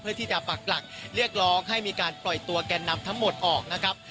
เพื่อที่จะปรักษ์หลักเรียกร้องให้มีการปล่อยตัวแกนนำทั้งหมดออกนะครับ